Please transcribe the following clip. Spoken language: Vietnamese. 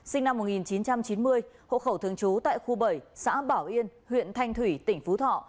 sinh năm một nghìn chín trăm chín mươi hộ khẩu thường trú tại khu bảy xã bảo yên huyện thanh thủy tỉnh phú thọ